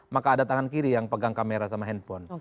maka ada tangan kiri yang pegang kamera sama handphone